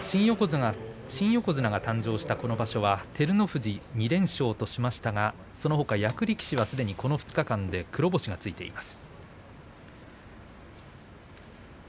新横綱が誕生したこの場所は照ノ富士２連勝としましたがそのほか役力士はすでに２日間で黒星がついています。